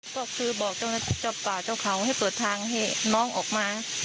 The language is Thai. ก็คือบอกเจ้าป่าเจ้าเขาให้เปิดทางให้น้องออกมา